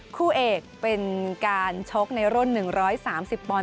คู่เอกเป็นการชกในรุ่น๑๓๐ปอนด